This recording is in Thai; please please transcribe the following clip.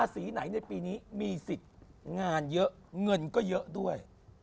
สีไหนในปีนี้มีสิทธิ์งานเยอะเงินก็เยอะด้วย